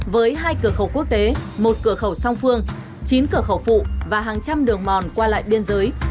với hai cửa khẩu quốc tế một cửa khẩu song phương chín cửa khẩu phụ và hàng trăm đường mòn qua lại biên giới